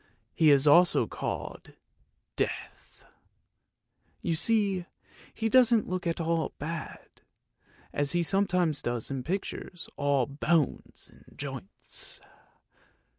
He is also called Death; you see he doesn't look at all bad, as he sometimes does in pictures, all bones and joints!